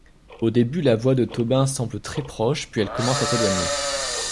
Au début, la voix de Tobin semble très proche, puis elle commence à s'éloigner.